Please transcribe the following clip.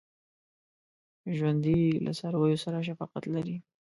ژوندي له څارویو سره شفقت لري